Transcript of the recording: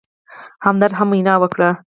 همدرد هم وینا وکړه.